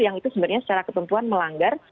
yang itu sebenarnya secara ketentuan melanggar